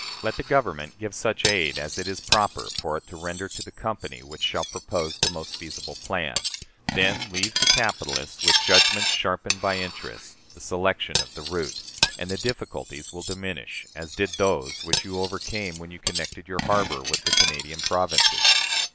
Let the Government give such aid as it is proper for it to render to the company which shall propose the most feasible plan; then leave to capitalists, with judgments sharpened by interest, the selection of the route, and the difficulties will diminish, as did those which you overcame when you connected your harbor with the Canadian provinces.